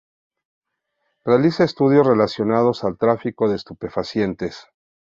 Realiza estudios relacionados al tráfico de estupefacientes.